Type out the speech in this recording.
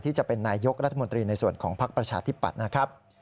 จะเป็นนายยกรัฐมนตรีในส่วนของภักดิ์ประชาธิปัตย์นะครับ